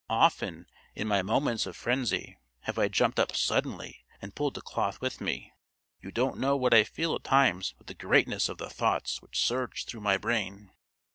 Often, in my moments of frenzy, have I jumped up suddenly and pulled the cloth with me. You don't know what I feel at times with the greatness of the thoughts which surge through my brain.